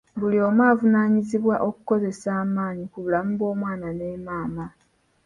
Buli omu avunaanyizibwa okukozesa amaanyi ku bulamu bw'omwana ne maama.